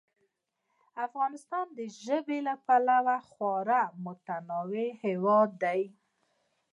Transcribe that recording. افغانستان د ژبو له پلوه خورا متنوع هېواد دی.